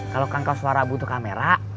kalau kangkoswara butuh kamera